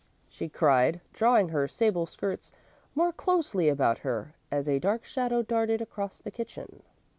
she cried, drawing her sable skirts more closely about her as a dark shadow darted across the kitchen.